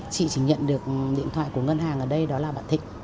chị chỉ nhận được điện thoại của ngân hàng ở đây đó là bạn thịnh